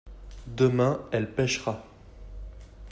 demain elle pêchera.